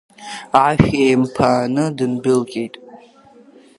Ашә еимԥааны дындәылҟьеит.